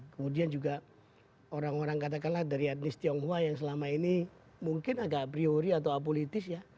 kemudian juga orang orang katakanlah dari etnis tionghoa yang selama ini mungkin agak priori atau apolitis ya